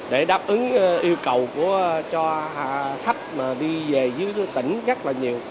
để đáp ứng yêu cầu cho khách mà đi về dưới tỉnh rất là nhiều